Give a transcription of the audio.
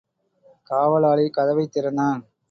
காவலாளி கதவைத் திறந்தான்.